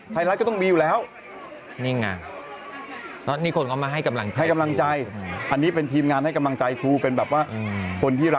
พ่อแม่เข้ามาร้องเรียนอะไรแบบนี้